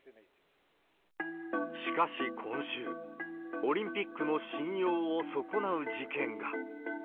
しかし今週、オリンピックの信用を損なう事件が。